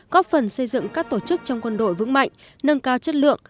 góp phần xây dựng các tổ chức trong quân đội vững mạnh nâng cao chất lượng